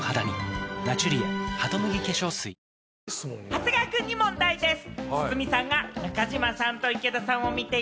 長谷川くんに問題です。